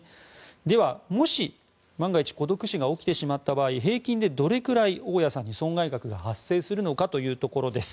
では、もし万が一孤独死が起きてしまった場合平均でどれぐらい大家さんに損害額が発生するのかというところです。